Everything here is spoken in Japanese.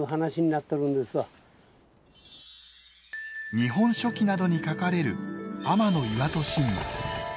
「日本書紀」などに書かれる天岩戸神話。